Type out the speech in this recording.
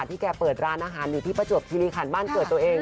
แกเปิดร้านอาหารอยู่ที่ประจวบคิริขันบ้านเกิดตัวเอง